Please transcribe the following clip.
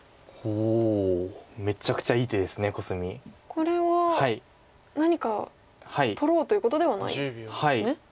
これは何か取ろうということではないんですね。